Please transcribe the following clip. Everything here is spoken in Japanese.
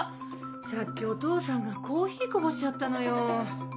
さっきお父さんがコーヒーこぼしちゃったのよ。